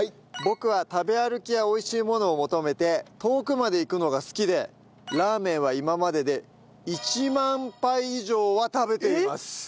僕は食べ歩きや美味しいものを求めて遠くまで行くのが好きでラーメンは今までで１万杯以上は食べています。